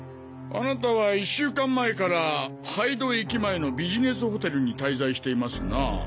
あなたは１週間前から杯戸駅前のビジネスホテルに滞在していますな？